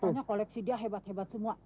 karena koleksi dia hebat hebat semua